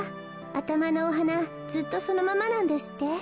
あたまのおはなずっとそのままなんですって？